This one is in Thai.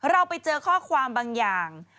เราไปเจอข้อความบางอย่าง